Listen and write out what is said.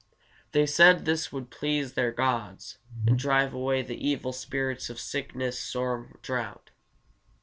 They said this would please their gods, and drive away the evil spirits of sickness, storm, or drought.